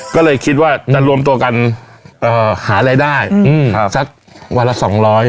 ก็คิดว่ารวมตัวกันสักวันละ๒๐๐